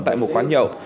tại một quán nhậu